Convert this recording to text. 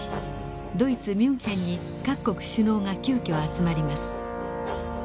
ドイツ・ミュンヘンに各国首脳が急きょ集まります。